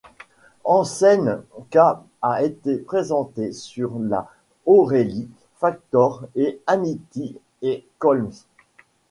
Hansen cas a été présenté sur La O'Reilly Factor, et Hannity et Colmes.